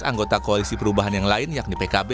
anggota koalisi perubahan yang lain yakni pkb